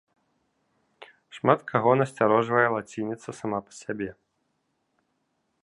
Шмат каго насцярожвае лацініца сама па сябе.